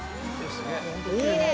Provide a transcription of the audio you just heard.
「きれい！」